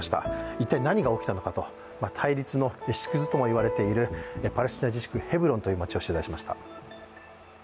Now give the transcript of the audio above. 一体何が起きたのか対立の縮図ともいわれているパレスチナ自治区ヘブロンという町を取材しました。